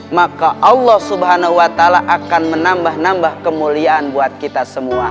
maka allah swt akan menambah nambah kemuliaan buat kita semua